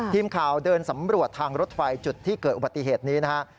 ทีมข่าวเดินสำรวจทางรถไฟจุดที่เกิดอุบัติเหตุนี้นะฮะ